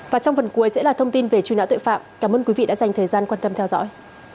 và trong phần cuối sẽ là thông tin về truy nã tội phạm cảm ơn quý vị đã dành thời gian quan tâm theo dõi